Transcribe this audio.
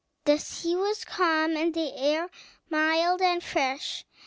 The sea was calm, and the air mild and fresh.